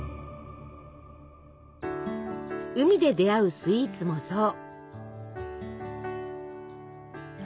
海で出会うスイーツもそう。